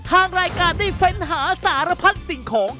ทางรายการได้เฟ้นหาสารพัดสิ่งของ